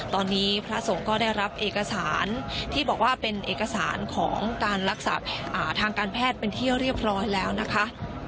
ตอนนี้พระสงฆ์ก็ได้รับเอกสารที่บอกว่าเป็นเอกสารของการรักษาทางการแพทย์เป็นที่เรียบร้อยแล้วนะคะ